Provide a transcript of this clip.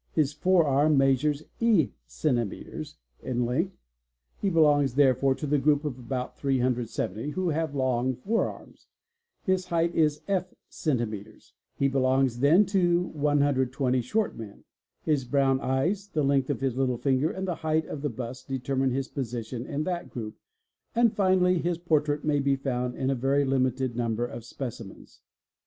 His forearm measures ¢ cms. in length; he belongs therefore to the group of about 370 who have long forearms. 'His height is f cms.; he belongs then to 120 short men. His ~ brown eyes, the length of his little finger, and the height of the bust, determine his position in that group, and finally his portrait may be found in a very limited number of specimens.